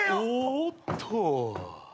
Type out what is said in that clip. おおっと。